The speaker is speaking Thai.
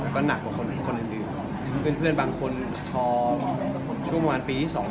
ก็หนักกว่าคนอื่นเพื่อนบางคนพอช่วงประมาณปีที่๒